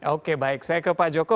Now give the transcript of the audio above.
oke baik saya ke pak joko